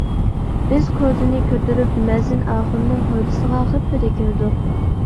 بىز كوزىنى كۆتۈرۈپ، مەزىن ئاخۇننىڭ ھويلىسىغا غىپپىدە كىردۇق.